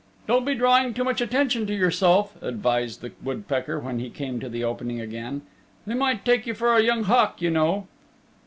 "Don't be drawing too much attention to yourself," advised the woodpecker when he came to the opening again. "They might take you for a young hawk, you know."